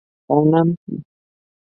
তার নাম কি?